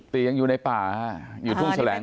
ตียังอยู่ในป่าหยุดพุ่งแสลงหลวง